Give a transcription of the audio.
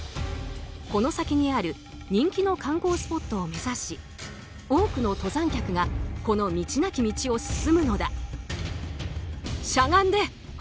この先にある人気の観光スポットを目指し多くの登山客がこの道なき道を進むのだ。